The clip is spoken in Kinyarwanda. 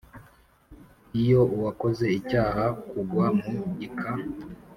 Iyo uwakoze icyaha k ugwa mu gika